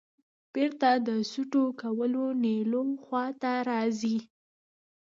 بېرته د سوټو کولونیلو خواته راځې.